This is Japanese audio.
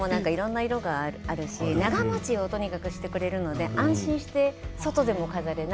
トルコギキョウもいろいろな色があるし長もちをとにかくしてくれるから安心して外でも飾れる。